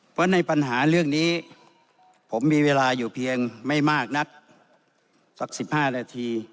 เพราะในปัญหาเรื่องนี้ผมมีเวลาอยู่เพียงไม่มากนักสัก๑๕นาที